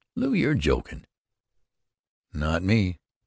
"Lew, you're jokin'." "Not me.